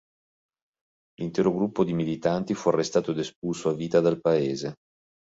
L'intero gruppo di militanti fu arrestato ed espulso a vita dal Paese.